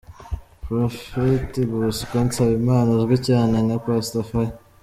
Prophet Bosco Nsabimana uzwi cyane nka Pastor Fire